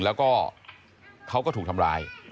แล้วก็เขาก็ถูกทำร้าย